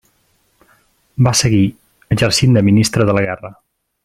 Va seguir exercint de ministre de la Guerra.